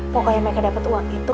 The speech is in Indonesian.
pokoknya mereka dapat uang itu